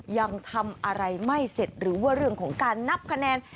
ยังทำอะไรไม่เสร็จหรือว่าเรื่องของการนับคะแนน